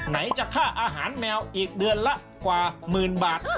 ไหนจะค่าอาหารแมวอีกเดือนละกว่าหมื่นบาท